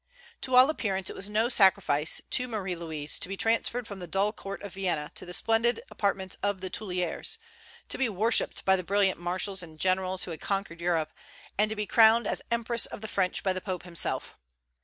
To all appearance it was no sacrifice to Marie Louise to be transferred from the dull court of Vienna to the splendid apartments of the Tuileries, to be worshipped by the brilliant marshals and generals who had conquered Europe, and to be crowned as empress of the French by the Pope himself.